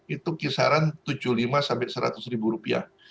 itu kisaran tujuh puluh lima sampai seratus ribu rupiah